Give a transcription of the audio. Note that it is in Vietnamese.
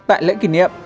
tại lễ kỷ niệm